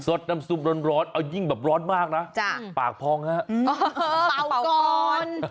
สดน้ำซุปร้อนเอายิ่งแบบร้อนมากนะปากพองฮะเป่าก่อน